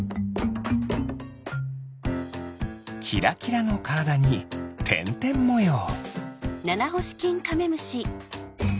キラキラのからだにてんてんもよう。